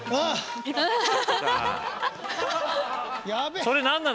それ何なの？